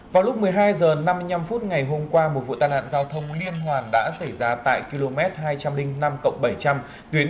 vào lúc một mươi hai h năm mươi năm ngày hôm qua một vụ tai nạn giao thông liên hoàn đã xảy ra tại km hai trăm linh năm bảy trăm linh tuyến